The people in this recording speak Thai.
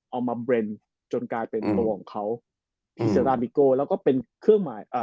เอามาเบรนจนกลายเป็นตัวของเขาแล้วก็เป็นเครื่องหมายอ่า